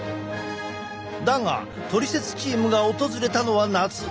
だがトリセツチームが訪れたのは夏。